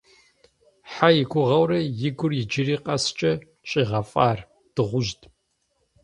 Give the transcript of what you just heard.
Хьэ и гугъэурэ и гур иджыри къэскӀэ щӀигъэфӀар - дыгъужьт!